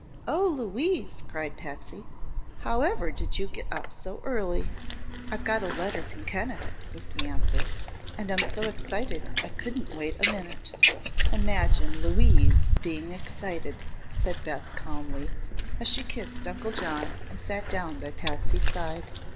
"Oh, Louise," cried Patsy, "however did you get up so early?" "I've got a letter from Kenneth," was the answer, "and I'm so excited I couldn't wait a minute!" "Imagine Louise being excited," said Beth, calmly, as she kissed Uncle John and sat down by Patsy's side.